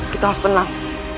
kita harus tenang